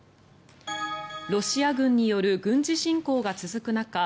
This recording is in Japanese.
ロシア軍による軍事侵攻が続く中